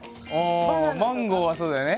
あマンゴーはそうだよね。